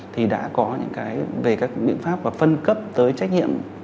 thì đã có những cái về các biện pháp và phân cấp tới trách nhiệm